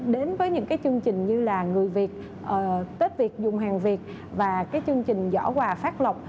đến với những cái chương trình như là người việt tết việt dùng hàng việt và cái chương trình giỏ quà phát lọc